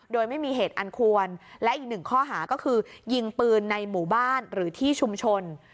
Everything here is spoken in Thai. โดยไม่มีเหตุอันควรและอีกหนึ่งข้อหาก็คือยิงปืนในหมู่บ้านหรือที่ชุมชน